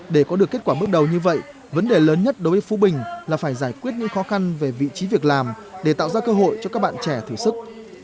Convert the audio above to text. để có được kết quả bước đầu như vậy vấn đề lớn nhất đối với phú bình là phải giải quyết những khó khăn về vị trí việc làm để tạo ra cơ hội cho các bạn trẻ thử sức